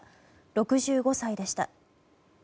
６５歳でした。